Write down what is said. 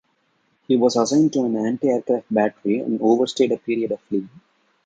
He was assigned to an anti-aircraft battery and overstayed a period of leave.